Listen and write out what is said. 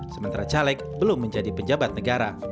sementara caleg belum menjadi penjabat negara